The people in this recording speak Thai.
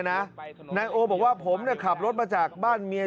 นายโอบอกว่าผมขับรถมาจากบ้านเมีย